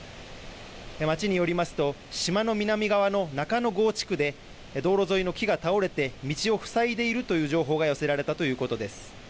町によりますと島の南側の中之郷地区で道路沿いの木が倒れて道を塞いでいるという情報が寄せられたということです。